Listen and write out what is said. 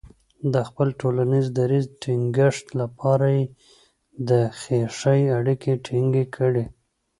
د خپل ټولنیز دریځ ټینګښت لپاره یې د خیښۍ اړیکې ټینګې کړې.